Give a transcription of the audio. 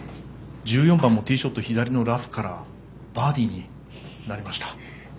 １４番もティーショット左のラフからバーディーになりました。